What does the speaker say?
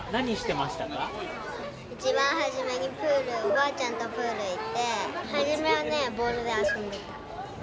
一番初めにプールおばあちゃんとプール行って初めはねボールで遊んでた。